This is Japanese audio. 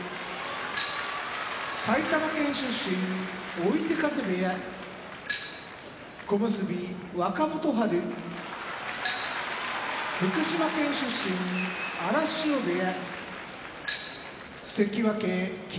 追手風部屋小結・若元春福島県出身荒汐部屋関脇・霧